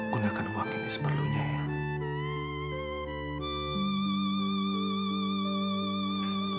gunakan uang ini seberlunya ya